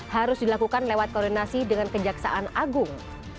harus dilakukan lewat koordinasi dengan kejaksaan agung